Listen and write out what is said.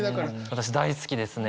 私大好きですね。